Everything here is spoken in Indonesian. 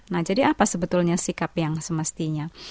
nah jadi apa sebetulnya sikap yang semestinya